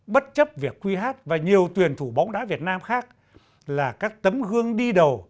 bất chấp việc qh và nhiều tuyển thủ bóng đá việt nam khác là các tấm gương đi đầu